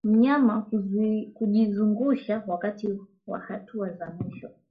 Mnyama kujizungusha wakati wa hatua za mwisho